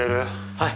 はい。